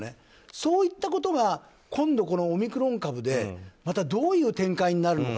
そういったことが今度、このオミクロン株でまたどういう展開になるのか。